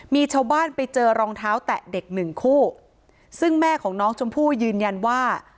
มีชาวบ้านไปเจอรองเท้าแตะเด็กหนึ่งคู่ซึ่งแม่ของน้องชมพู่ยืนยันว่า